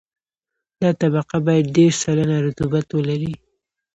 دا طبقه باید دېرش سلنه رطوبت ولري